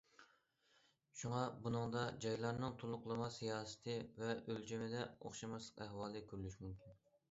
شۇڭا، بۇنىڭدا جايلارنىڭ تولۇقلىما سىياسىتى ۋە ئۆلچىمىدە ئوخشىماسلىق ئەھۋالى كۆرۈلۈشى مۇمكىن.